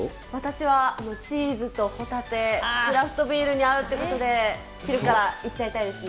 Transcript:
私はチーズとホタテ、クラフトビールに合うということで、昼からいっちゃいたいですね。